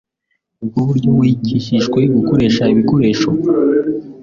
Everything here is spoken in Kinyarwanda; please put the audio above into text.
Nibwo buryo wigishijwe gukoresha ibikoresho?